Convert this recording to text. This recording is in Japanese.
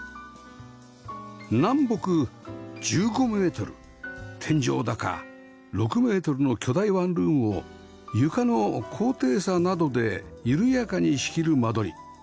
南北１５メートル天井高６メートルの巨大ワンルームを床の高低差などで緩やかに仕切る間取り